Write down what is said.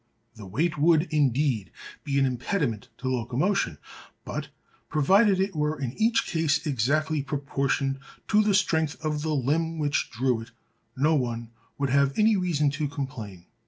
The weight would, indeed, be an impediment to locomotion, but, provided it were in each case exactly proportioned to the strength of the limb which drew it, no one ... would have any reason to complain.